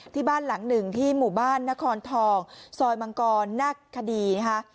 ที่บ้านหลังหนึ่งที่หมู่บ้านนครทองซอยมังกรนักคดีนะคะ